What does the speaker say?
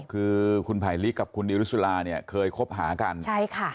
คือคุณภัยลิกกับคุณดิวริสุราเนี่ยเคยคบหากันใช่ค่ะ